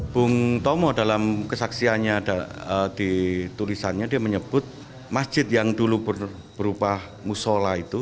bung tomo dalam kesaksiannya di tulisannya dia menyebut masjid yang dulu berupa musola itu